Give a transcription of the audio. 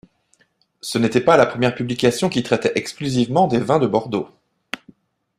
Ce n'était pas la première publication qui traitait exclusivement des vins de Bordeaux.